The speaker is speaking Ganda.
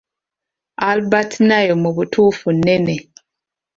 Albert Nile mu butuufu nnene.